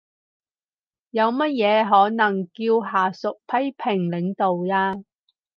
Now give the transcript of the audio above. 有乜嘢可能叫下屬批評領導呀？